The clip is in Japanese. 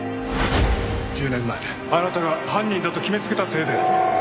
１０年前あなたが犯人だと決めつけたせいで。